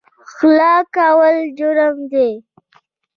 غلا کول جرم دی